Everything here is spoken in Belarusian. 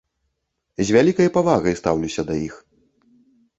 З вялікай павагай стаўлюся да іх.